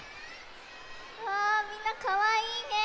うわみんなかわいいね！